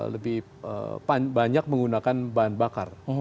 lebih banyak menggunakan bahan bakar